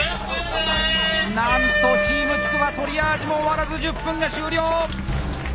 なんとチームつくばトリアージも終わらず１０分が終了！